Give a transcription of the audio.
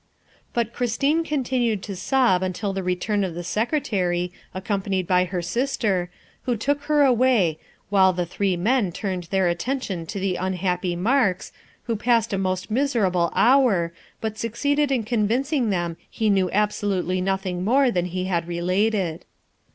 But Christine continued to sob until the return of the Secretary, accompanied by her sister, who took her away, while the three men turned their attention to the unhappy Marks, who passed a most miserable hour, but succeeded in convincing them he knew absolutely nothing more than he had related.